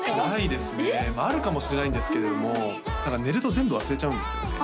ないですねあるかもしれないんですけれども寝ると全部忘れちゃうんですよね